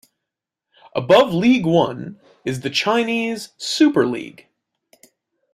Above League One is the Chinese Super League.